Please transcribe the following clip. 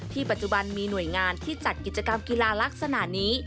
ปัจจุบันมีหน่วยงานที่จัดกิจกรรมกีฬาลักษณะนี้